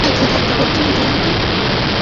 আমরা পালানোর চেষ্টা করছি।